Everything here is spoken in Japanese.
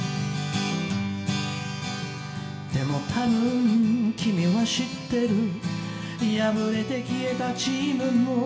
「でも多分君は知ってる敗れて消えたチームも」